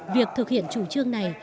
việc thực hiện chủ trương này